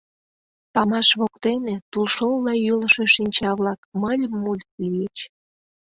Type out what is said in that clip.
Памаш воктене тулшолла йӱлышӧ шинча-влак мыль-муль лийыч.